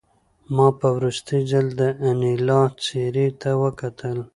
ما په وروستي ځل د انیلا څېرې ته وکتل